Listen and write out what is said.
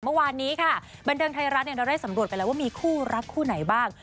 เมื่อวานนี้ค่ะบันเทิงไทยรัฐเราได้สำรวจไปแล้วว่ามีคู่รักคู่ไหนบ้าง